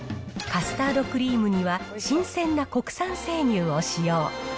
カスタードクリームには、新鮮な国産生乳を使用。